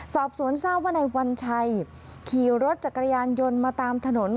สอบสวนทราบว่านายวัญชัยขี่รถจักรยานยนต์มาตามถนน